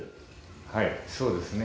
はいそうですね。